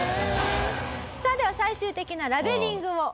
さあでは最終的なラベリングを。